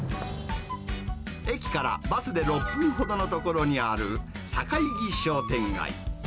駅からバスで６分ほどの所にある、境木商店街。